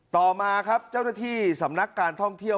ต่อมาครับเจ้าหน้าที่สำนักการท่องเที่ยว